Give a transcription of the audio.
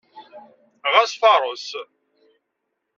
Ɣas fareṣ.